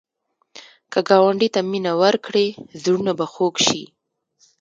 که ګاونډي ته مینه ورکړې، زړونه به خوږ شي